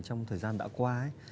trong thời gian đã qua ấy